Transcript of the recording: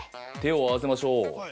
手を合わせましょう。